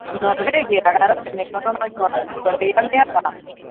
Norvegia garapen ekonomiko handiko herrialdea da.